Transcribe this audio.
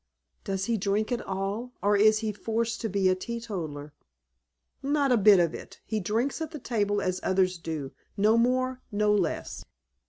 "Does he drink at all, or is he forced to be a teetotaller?" "Not a bit of it. He drinks at table as others do; no more, no less."